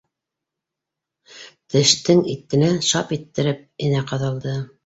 Тештең итенә шап иттереп энә ҡаҙалды.